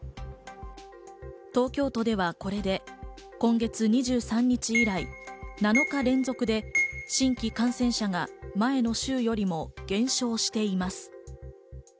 東京都ではこれで今月２３日以来、７日連続で新規感染者が前の週よりも減少しています。